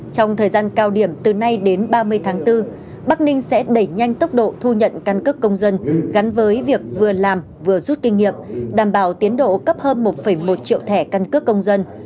trong thời gian cao điểm từ nay đến ba mươi tháng bốn bắc ninh sẽ đẩy nhanh tốc độ thu nhận căn cước công dân gắn với việc vừa làm vừa rút kinh nghiệm đảm bảo tiến độ cấp hơn một một triệu thẻ căn cước công dân